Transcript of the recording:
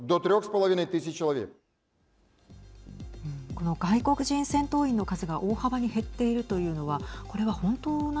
この外国人戦闘員の数が大幅に減っているというのははい。